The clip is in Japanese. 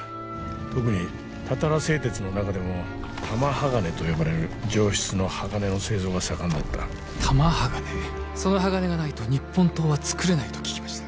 特にたたら製鉄の中でも玉鋼と呼ばれる上質の鋼の製造が盛んだった玉鋼その鋼がないと日本刀は作れないと聞きました